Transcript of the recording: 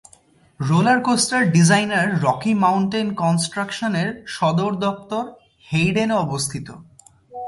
Roller coaster designer Rocky Mountain কনস্ট্রাকশনের সদর দপ্তর হেইডেনে অবস্থিত।